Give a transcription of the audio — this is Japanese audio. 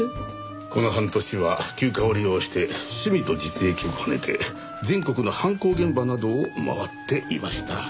この半年は休暇を利用して趣味と実益を兼ねて全国の犯行現場などを回っていました。